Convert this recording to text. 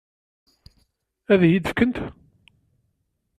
Ad iyi-t-fkent?